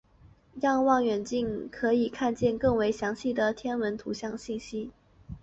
让望远镜可以看见更为详细的天文图像信息。